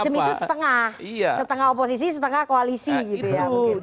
jadi maksudnya kalau nasdem itu setengah oposisi setengah koalisi gitu ya